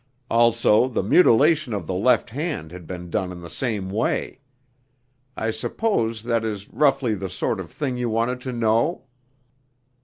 Also the mutilation of the left hand had been done in the same way. I suppose that is roughly the sort of thing you wanted to know?"